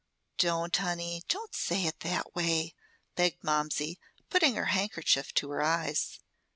"Don't, honey! Don't say it that way!" begged Momsey, putting her handkerchief to her eyes.